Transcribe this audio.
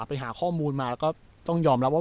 ไปหาข้อมูลมาแล้วก็ต้องยอมรับว่า